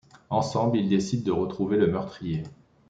Ensemble, ils décident de retrouver le meurtrier...